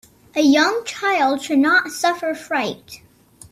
A young child should not suffer fright.